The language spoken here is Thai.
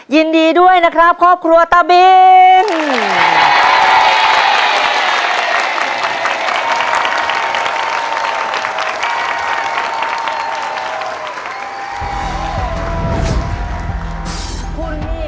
ยินดีด้วยนะครับครอบครัวตาบิน